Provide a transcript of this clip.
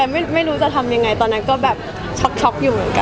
แต่ไม่รู้จะทำยังไงตอนนั้นก็แบบช็อกอยู่เหมือนกัน